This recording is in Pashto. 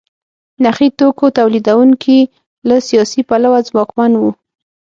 نخي توکو تولیدوونکي له سیاسي پلوه ځواکمن وو.